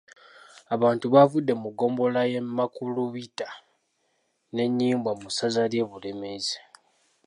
Abantu baavudde mu ggombolola y’e Makulubita n’e Nnyimbwa mu ssaza ly’e Bulemeezi.